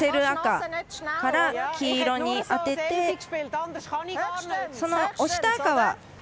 赤から黄色に当てて、押した赤。